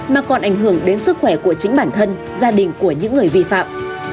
mà còn ảnh hưởng đến sức khỏe của chính bản thân gia đình của những người vi phạm